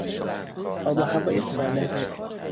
آب و هوای سالم